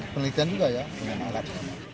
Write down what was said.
penelitian juga ya dengan alat